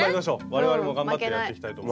我々も頑張ってやっていきたいと。